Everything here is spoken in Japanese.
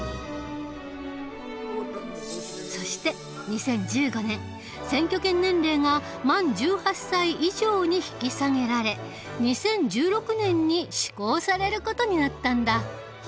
そして２０１５年選挙権年齢が満１８歳以上に引き下げられ２０１６年に施行される事になったんだ。